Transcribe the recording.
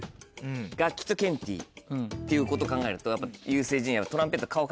楽器とケンティーっていうこと考えるとやっぱ優先順位は。